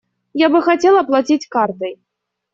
Я бы хотел оплатить картой.